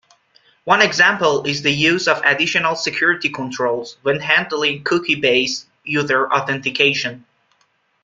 One example is the use of additional security controls when handling cookie-based user authentication.